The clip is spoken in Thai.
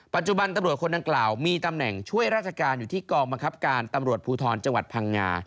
ปัจจุบันตำรวจคนดังกล่าวมีตำแหน่งช่วยราชการอยู่ที่กองบังคับการตำรวจภูทรจังหวัดพังงา